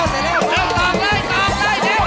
เสร็จแล้วเสร็จแล้ว